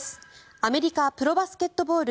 アメリカプロバスケットボール